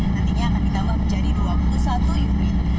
nantinya akan ditambah menjadi dua puluh satu unit